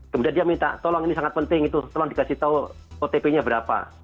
kemudian dia minta tolong ini sangat penting itu tolong dikasih tahu otp nya berapa